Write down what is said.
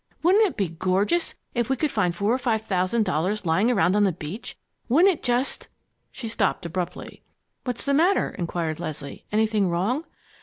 Wouldn't it be gorgeous if we could find four or five thousand dollars lying around on the beach? Wouldn't it just " She stopped abruptly. "What's the matter?" inquired Leslie. "Anything wrong?"